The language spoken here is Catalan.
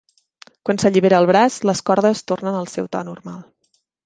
Quan s'allibera el braç, les cordes tornen al seu to normal.